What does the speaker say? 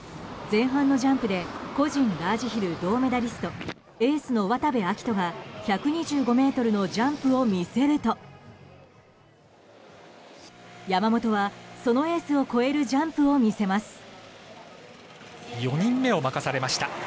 前半のジャンプで個人ラージヒル銅メダリストエースの渡部暁斗が１２５ｍのジャンプを見せると山本はそのエースを超えるジャンプを見せます。